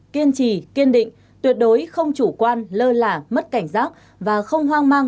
kiên trì kiên định tuyệt đối không chủ quan lơ là mất cảnh giác và không hoang mang